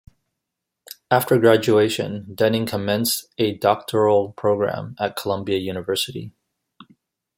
After graduation, Dunning commenced a doctoral program at Columbia University.